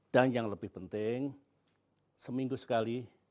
dan yang lebih penting seminggu sekali